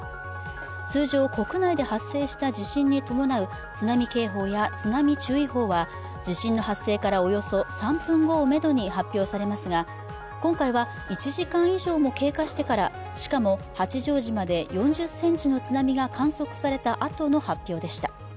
通常、国内で発生した地震に伴う津波警報や津波注意報は、地震の発生からおよそ３分後をめどに発表されますが、今回は１時間以上も経過してから、しかも八丈島で４０ｃｍの津波が観測されたあとの発表でした。